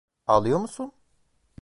Ağlıyor musun?